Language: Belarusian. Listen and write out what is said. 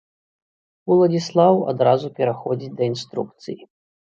Уладзіслаў адразу пераходзіць да інструкцый.